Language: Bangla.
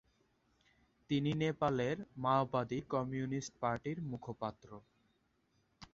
তিনি নেপালের মাওবাদী কমিউনিস্ট পার্টির মুখপাত্র।